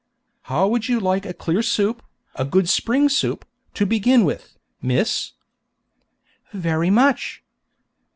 'How would you like a clear soup, a good spring soup, to begin with, miss?' 'Very much.'